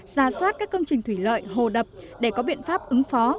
ra soát các công trình thủy lợi hồ đập để có biện pháp ứng phó